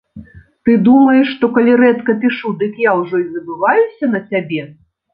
Ты думаеш, што калі рэдка пішу, дык я ўжо і забываюся на цябе?